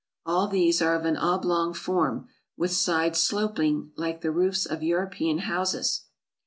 All these are of an oblong form, with sides sloping like the roofs of European houses.